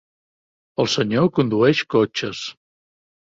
El senyor condueix cotxes.